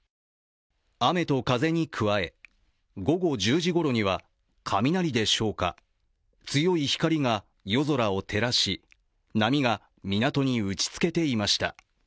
雨と風に加え午後１０時ごろには雷でしょうか、強い光が夜空を照らし、波が港に打ち付けていました。